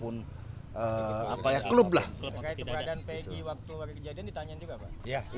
pertanyaan tentang peggy waktu kejadian ditanyakan juga pak